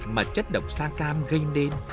mà chất độc sa cam gây nên